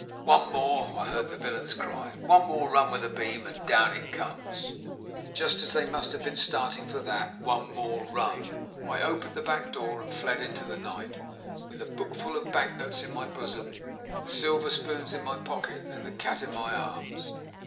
"One more!" I heard the villains cry "one more run with the beam, and down it comes!" Just as they must have been starting for that "one more run," I opened the back door and fled into the night, with the bookful of banknotes in my bosom, the silver spoons in my pocket, and the cat in my arms.